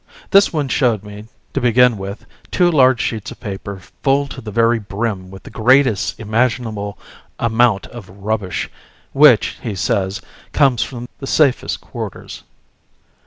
This one showed me, to begin with, two large sheets of paper full to the very brim with the greatest imaginable amount of rubbish, which, he says, comes from the safest quarters.